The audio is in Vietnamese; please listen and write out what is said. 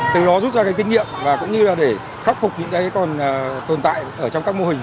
từ đó rút ra cái kinh nghiệm và cũng như là để khắc phục những cái còn tồn tại ở trong các mô hình